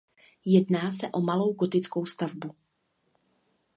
Jedná se o malou gotickou stavbu.